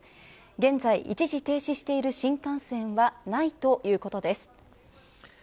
現在、一時停止している新幹線はないということです。